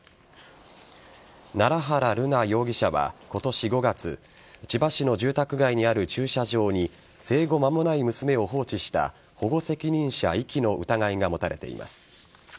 奈良原瑠奈容疑者は今年５月千葉市の住宅街にある駐車場に生後間もない娘を放置した保護責任者遺棄の疑いが持たれています。